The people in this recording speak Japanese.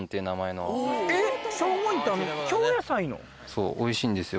そうおいしいんですよ